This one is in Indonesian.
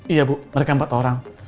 iya bu mereka empat orang